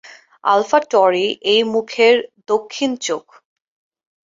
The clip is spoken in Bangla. আলফা-টরি এই মুখের দক্ষিণ চোখ।